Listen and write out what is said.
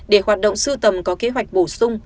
để hoạt động sưu tầm có kế hoạch bổ sung